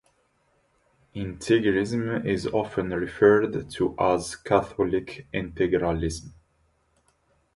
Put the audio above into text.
Integrism is often referred to as Catholic Integralism.